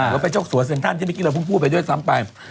ว่าเป็นเจ้าสัวเซ็นทันที่เมื่อกี้เราเพิ่งพูดไปด้วยซ้ำไป